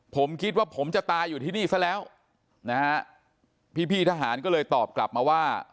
ผมคิดว่าผมจะตายอยู่ที่นี่ซะแล้วนะฮะพี่พี่ทหารก็เลยตอบกลับมาว่า